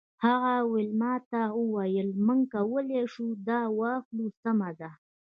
هغه ویلما ته وویل موږ کولی شو دا واخلو سمه ده